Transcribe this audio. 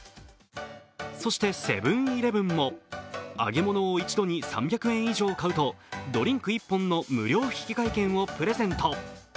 そしてセブン−イレブンも揚げ物を１度に３００円以上買うとドリンク１本の無料引換券をプレゼント。